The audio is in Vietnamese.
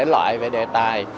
lại về đề tài